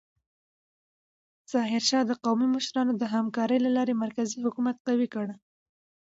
ظاهرشاه د قومي مشرانو د همکارۍ له لارې مرکزي حکومت قوي کړ.